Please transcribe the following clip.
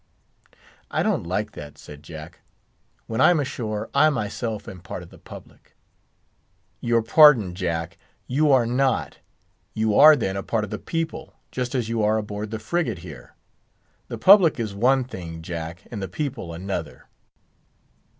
"I don't like that," said Jack; "when I'm ashore, I myself am part of the public." "Your pardon, Jack; you are not, you are then a part of the people, just as you are aboard the frigate here. The public is one thing, Jack, and the people another."